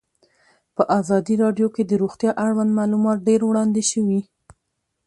په ازادي راډیو کې د روغتیا اړوند معلومات ډېر وړاندې شوي.